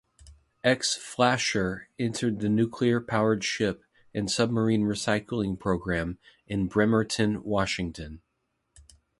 Ex-"Flasher" entered the Nuclear Powered Ship and Submarine Recycling Program in Bremerton, Washington.